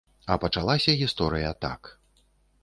А пачалася гісторыя так.